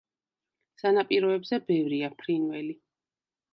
სანაპიროებზე ბევრია ფრინველი.